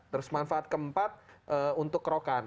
terus manfaat keempat untuk kerokan